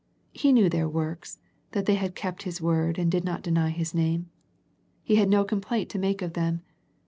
He knew their works, that they had kept His word and did not deny His name. He had no complaint to make of them.